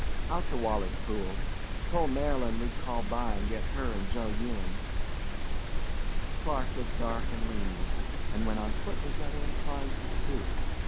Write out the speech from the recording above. "Out to Walley's Pool. Told Marylyn we'd call by an' get her an' Joe Ewing." Clark was dark and lean, and when on foot was rather inclined to stoop.